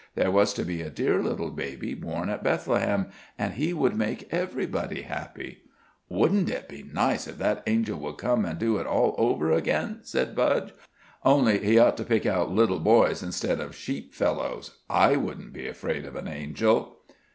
There was to be a dear little baby born at Bethlehem, and He would make everybody happy." "Wouldn't it be nice if that angel would come an' do it all over again?" said Budge. "Only he ought to pick out little boys instead of sheep fellows. I wouldn't be afraid of an angel."